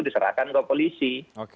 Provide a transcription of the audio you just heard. diserahkan ke polisi